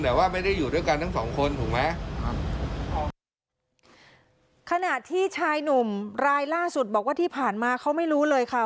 แต่ว่าไม่ได้อยู่ด้วยกันทั้งสองคนถูกไหมครับขณะที่ชายหนุ่มรายล่าสุดบอกว่าที่ผ่านมาเขาไม่รู้เลยค่ะ